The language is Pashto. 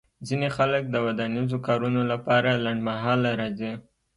ځینې خلک د ودانیزو کارونو لپاره لنډمهاله راځي